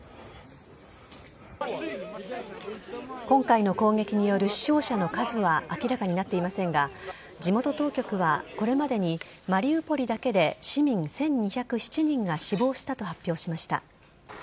今回の攻撃による死傷者の数は明らかになっていませんが地元当局はこれまでにマリウポリだけで市民１２０７人が死亡したと発表しました。